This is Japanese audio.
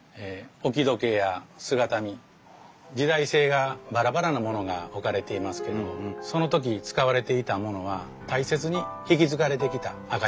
置き時計や姿見時代性がバラバラなものが置かれていますけどその時使われていたものは大切に引き継がれてきた証しだと思うんですね。